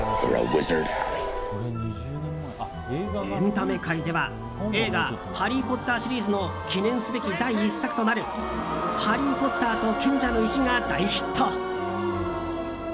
エンタメ界では映画「ハリー・ポッター」シリーズの記念すべき第１作となる「ハリー・ポッターと賢者の石」が大ヒット。